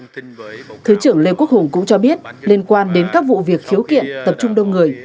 thứ trưởng lê quốc hùng cũng cho biết liên quan đến các vụ việc khiếu kiện tập trung đông người